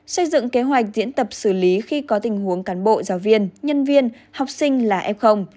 xây dựng kế hoạch diễn tập xử lý khi có tình huống cán bộ giáo viên nhân viên học sinh là f